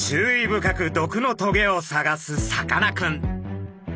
深く毒のトゲを探すさかなクン。